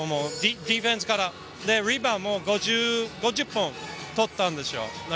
ディフェンスからリバウンドも５０本取ったんですよ。